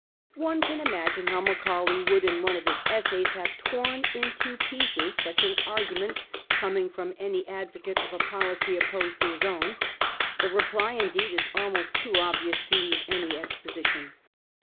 One can imagine how Macaulay would in one of his essays have tom into pieces such an argument coming from any advocate of a policy opposed to his own. The reply, indeed, is almost too obvious to need any ex position.